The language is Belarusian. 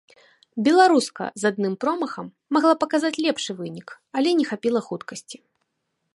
Беларуска з адным промахам магла паказаць лепшы вынік, але не хапіла хуткасці.